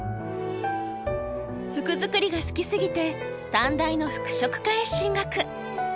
服作りが好きすぎて短大の服飾科へ進学。